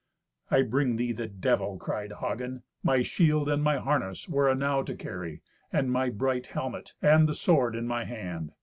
"I bring thee the Devil!" cried Hagen. "My shield and my harness were enow to carry, and my bright helmet, and the sword in my hand.